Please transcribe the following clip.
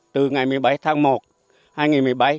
từ ngày một mươi bảy tháng một hai nghìn một mươi bảy